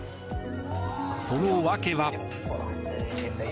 その訳は。